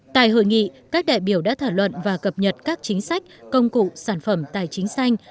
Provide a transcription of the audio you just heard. tại hội nghị các đại biểu đã thảo luận và cập nhật các chính sách công cụ sản phẩm tài chính xanh